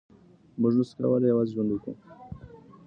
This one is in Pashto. مونږ نسو کولای یوازې ژوند وکړو.